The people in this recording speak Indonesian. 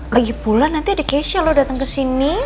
lagi pulang nanti ada keysnya lo dateng kesini